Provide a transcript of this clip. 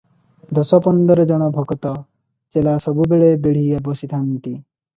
ଦଶ ପନ୍ଦର ଜଣ ଭକତ - ଚେଲା ସବୁବେଳେ ବେଢ଼ି ବସିଥାନ୍ତି ।